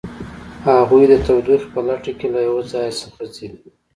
هغوی د تودوخې په لټه کې له یو ځای څخه ځي